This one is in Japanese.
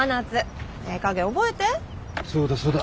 そうだそうだ。